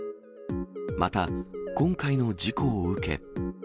また、今回の事故を受け。